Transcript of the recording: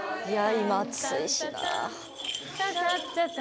今暑いしなあ。